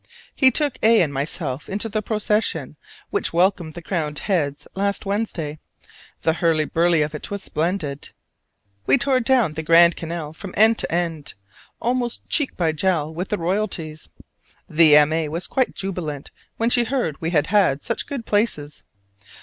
He took A. and myself into the procession which welcomed the crowned heads last Wednesday; the hurly burly of it was splendid. We tore down the Grand Canal from end to end, almost cheek by jowl with the royalties; the M. A. was quite jubilant when she heard we had had such "good places."